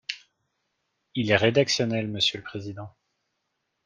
Il est rédactionnel, monsieur le président.